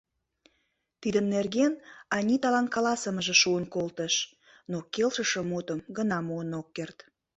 Тидын нерген Аниталан каласымыже шуын колтыш, но келшыше мутым гына муын ок керт.